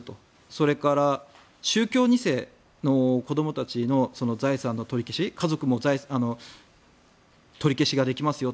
それから、宗教２世の子どもたちの財産の取り消し家族も取り消しができますよ